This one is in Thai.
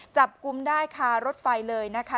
จับกลุ่มได้คารถไฟเลยนะคะ